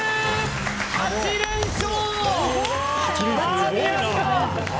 ８連勝！